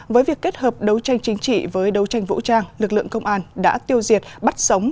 với việc kết hợp đấu tranh chính trị với đấu tranh vũ trang lực lượng công an đã tiêu diệt bắt sống